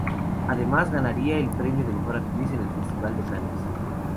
Además ganaría el premio de mejor actriz en el Festival de Cannes.